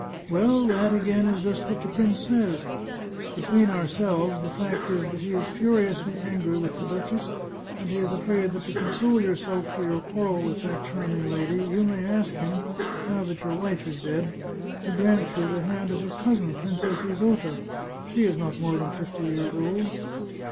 " Well, that again is just what the prince says. Between ourselves, the fact is that he is furiously angry with the duchess, and he is afraid that to console yourself for your quarrel with that charming lady you may ask him, now that your wife is dead, to grant you the hand of his cousin, Princess Isota — she is not more than fifty years old."